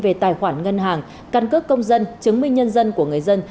về tài khoản ngân hàng căn cước công dân chứng minh nhân dân của người dân